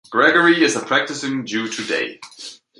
Gregory is a practicing Jew today.